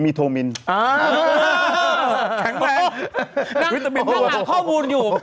วิตามินต้องหากข้อมูลอยู่